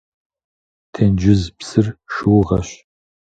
Тенджыз псыр шыугъэщ.